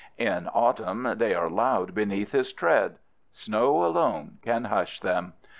In autumn they are loud beneath his tread. Snow alone can hush them.